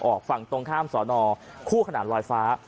ออกฝั่งตรงข้ามสอนอคู่ขนานลอยฟ้า